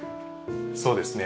そうですね